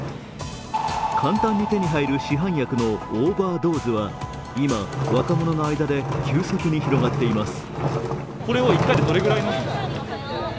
簡単に手に入る市販薬のオーバードーズは今、若者の間で急速に広がっています。